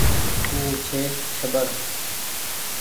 او ڇي ڇٻر ۔